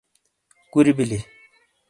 کُوری بلی۔